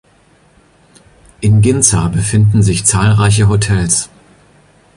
In Ginza befinden sich zahlreiche Hotels.